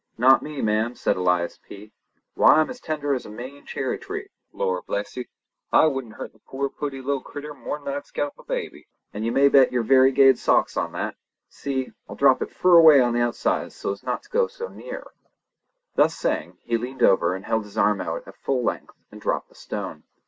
"Not me, ma'am," said Elias P. "Why, I'm as tender as a Maine cherry tree. Lor, bless ye. I wouldn't hurt the poor pooty little critter more'n I'd scalp a baby. An' you may bet your variegated socks on that! See, I'll drop it fur away on the outside so's not to go near her!" Thus saying, he leaned over and held his arm out at full length and dropped the stone.